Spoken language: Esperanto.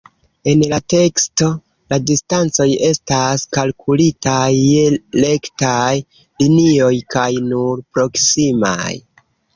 En la teksto, la distancoj estas kalkulitaj je rektaj linioj kaj nur proksimaj.